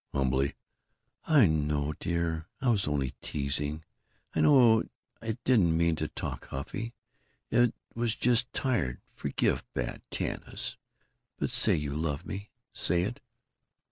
Humbly: "I know, dear. I was only teasing. I know it didn't mean to talk huffy it was just tired. Forgive bad Tanis. But say you love me, say it!"